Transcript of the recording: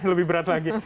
lebih berat lagi